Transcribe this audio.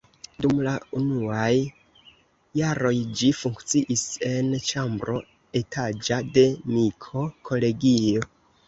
Dum la unuaj jaroj ĝi funkciis en ĉambro etaĝa de Miko-kolegio.